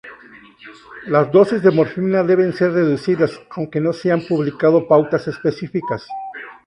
Las dosis de morfina deben ser reducidas, aunque no se han publicado pautas específicas.